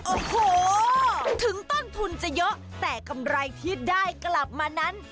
โอ้โหถึงต้นทุนจะเยอะแต่กำไรที่ได้กลับมานั้น